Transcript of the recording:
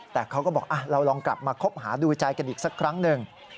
แต่เขาก็บอกเราลองกลับมาคบหาดูใจกันอีกสักครั้งหนึ่ง